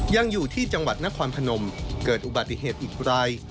ยังอยู่ที่จังหวัดนครพนมเกิดอุบัติเหตุอีกราย